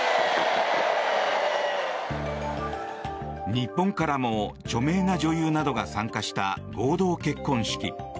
日本からも著名な女優などが参加した合同結婚式。